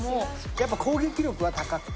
やっぱ攻撃力は高くて。